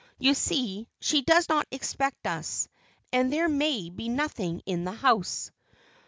"You see, she does not expect us, and there may be nothing in the house."